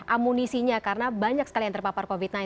amunisinya karena banyak sekali yang terpapar covid sembilan belas